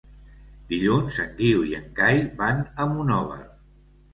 Dilluns en Guiu i en Cai van a Monòver.